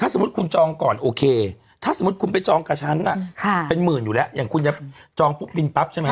สมมติคุณไปจองกับฉันอ่ะค่ะเป็นหมื่นอยู่แล้วอย่างคุณจะจองปุ๊บบินปั๊บใช่ไหม